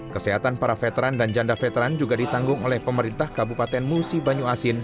kesehatan para veteran dan janda veteran juga ditanggung oleh pemerintah kabupaten musi banyu asin